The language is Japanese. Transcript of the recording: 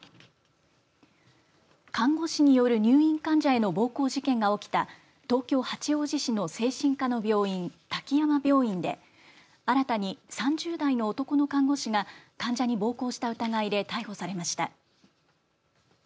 看護師による入院患者への暴行事件が起きた東京八王子市の精神科の病院滝山病院で新たに３０代の男の看護師が患者に暴行した疑いで逮捕されました。